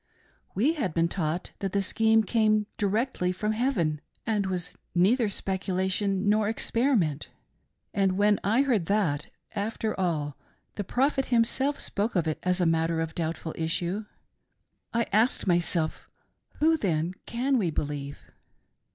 We had been taught that the scheme came directly from heaven and was neither speculation nor experiment, and when I heard that, after all, the Prophet himself spoke of it as a matter of doubtful issue, . I asked myself— Who then can we be Ueve